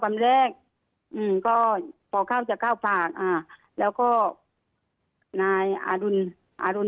วันแรกอืมก็พอเข้าจะเก้าปากอ่าแล้วก็นายอารุณอรุณ